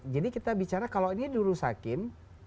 jadi kita bicara kalau ini diurus hakim